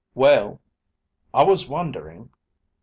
"Well, I was wondering